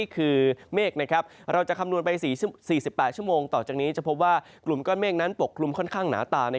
คือเมฆเราจะคำนวณไป๔๘ชั่วโมงต่อจากนี้จะพบว่ากลุ่มก้อนเมฆนั้นปกคลุมค่อนข้างหนาตา